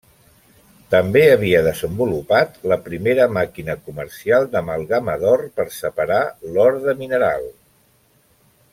També havia desenvolupat la primera màquina comercial d'amalgama d'or per separar l'or de mineral.